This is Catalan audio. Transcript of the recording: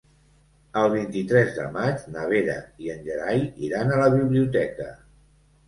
El vint-i-tres de maig na Vera i en Gerai iran a la biblioteca.